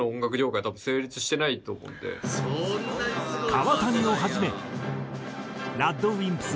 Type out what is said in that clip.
川谷をはじめＲＡＤＷＩＭＰＳ